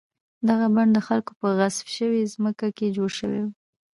دغه بڼ د خلکو په غصب شوې ځمکه کې جوړ شوی و.